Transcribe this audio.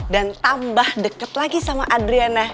dan tambah deket lagi sama adriana